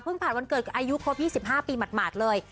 ผ่านวันเกิดอายุครบ๒๕ปีหมาดเลย